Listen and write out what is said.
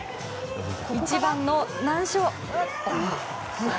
一番の難所。